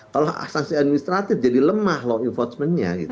kalau sangsi administratif jadi lemah law enforcementnya